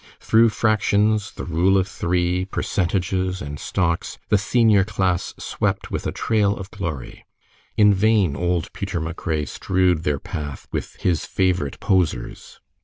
Through fractions, the "Rule of Three," percentages, and stocks, the senior class swept with a trail of glory. In vain old Peter MacRae strewed their path with his favorite posers.